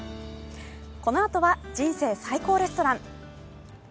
このあとは「人生最高レストラン」。